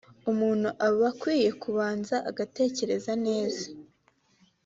umuntu aba akwiye kubanza agatekereza neza